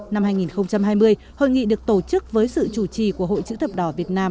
năm hai nghìn hai mươi hội nghị được tổ chức với sự chủ trì của hội chữ thập đỏ việt nam